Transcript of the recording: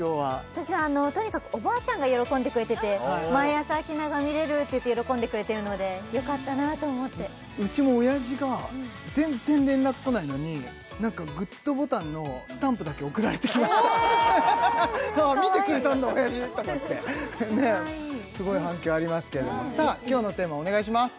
私はとにかくおばあちゃんが喜んでくれてて「毎朝明奈が見れる」って言って喜んでくれてるのでよかったなあと思ってうちも親父が全然連絡来ないのに何かグッドボタンのスタンプだけ送られてきましたああ見てくれたんだ親父と思ってかわいいすごい反響ありますけれども今日のテーマお願いします